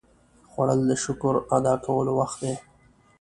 خوړل د شکر ادا کولو وخت دی